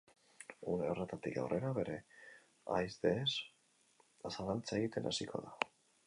Une horretatik aurrera, bere ahaideez zalantza egiten hasiko da.